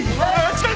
近い。